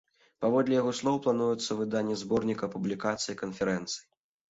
Паводле яго слоў, плануецца выданне зборніка публікацый канферэнцыі.